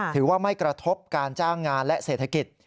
ถือว่าไม่กระทบการจ้างงานและเศรษฐกิจ